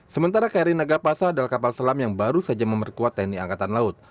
sementara kri nagapasa adalah kapal selam yang baru saja memperkuat tni angkatan laut